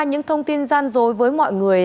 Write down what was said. những thông tin gian dối với mọi người